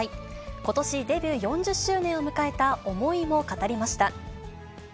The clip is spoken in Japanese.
ことしデビュー４０周年を迎えた思いも語りました。